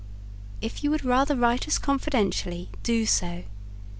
If you would rather write us confidentially do so.